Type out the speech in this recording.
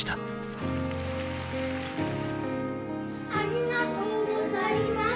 ありがとうござります。